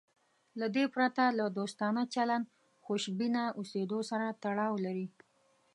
له دې پرته له دوستانه چلند خوشبینه اوسېدو سره تړاو لري.